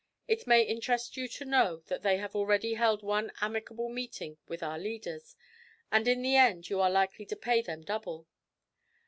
It may interest you to know that they have already held one amicable meeting with our leaders, and in the end you are likely to pay them double.